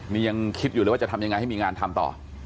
นี่ยังคิดอยู่เลยว่าจะทำยังไงให้มีงานทำต่อ